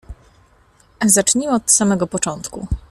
"Zacznijmy od samego początku."